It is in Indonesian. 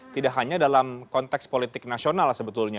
tidak hanya dalam konteks politik nasional sebetulnya